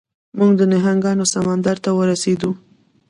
موږ د نهنګانو سمندر ته ورسیدو.